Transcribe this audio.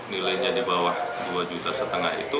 nilainya di bawah dua juta setengah itu